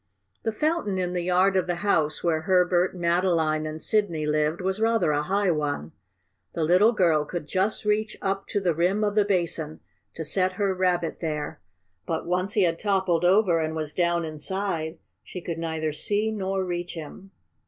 The fountain in the yard of the house where Herbert, Madeline and Sidney lived was rather a high one. The little girl could just reach up to the rim of the basin to set her Rabbit there, but, once he had toppled over and was down inside, she could neither see nor reach him.